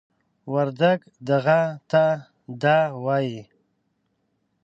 وردگ "دغه" ته "دَ" وايي.